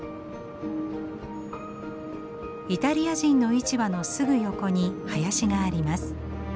イタリア人の市場のすぐ横に林があります。